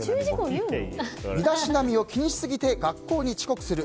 身だしなみを気にしすぎて学校に遅刻する。